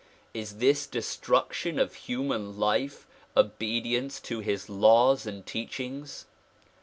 Is this destruction of human life obedience to his laws and teachings